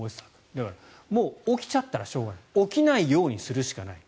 だから、もう起きちゃったらしょうがない。起きないようにするしかない。